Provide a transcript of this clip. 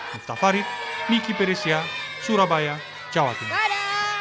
miftah farid miki perisya surabaya jawa tenggara